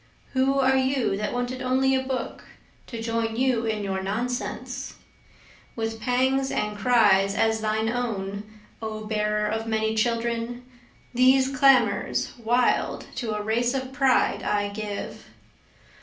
Who are you that wanted only a book to join you in your nonsense? (With pangs and cries as thine own O bearer of many children, These clamors wild to a race of pride I give.)